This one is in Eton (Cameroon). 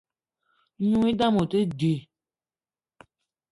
N'noung i dame o te dji.